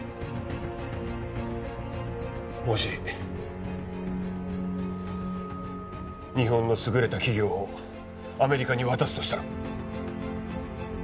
もし日本の優れた企業をアメリカに渡すとしたら？